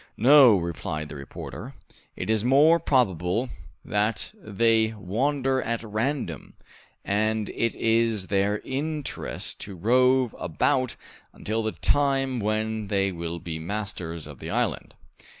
"No," replied the reporter, "it is more probable that they wander at random, and it is their interest to rove about until the time when they will be masters of the island!"